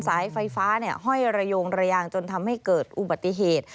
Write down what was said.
สายไฟฟ้าห้อยระโยงระยางจนทำให้เกิดอุบัติเหตุ